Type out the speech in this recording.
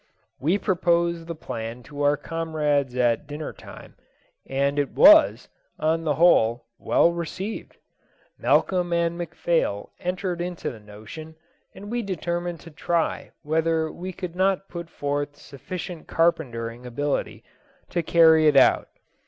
We proposed the plan to our comrades at dinner time, and it was, on the whole, well received. Malcolm and McPhail entered into the notion, and we determined to try whether we could not put forth sufficient carpentering ability to carry it out.